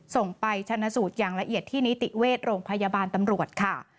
ส่งไปชนะสูตรอย่างละเอียดที่นิติเวชโรงพยาบาลตำรวจค่ะ